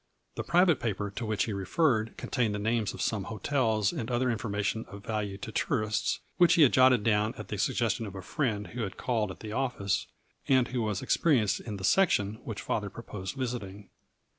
The private paper to which he re ferred contained the names of some hotels and other information of value to tourists, which he had jotted down at the suggestion of a friend who had called at the office, and who was ex perienced in the section which father proposed visiting.